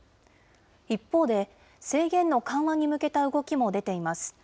一方で、制限の緩和に向けた動きも出ています。